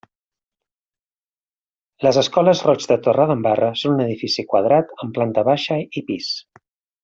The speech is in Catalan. Les escoles Roig de Torredembarra, són un edifici quadrat, amb planta baixa i pis.